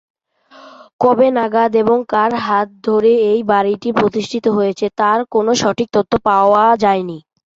কবে নাগাদ এবং কার হাত ধরে এই বাড়িটি প্রতিষ্ঠিত হয়েছে তার কোনো সঠিক তথ্য পাওয়া যায়নি।